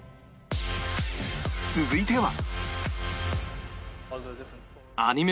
続いては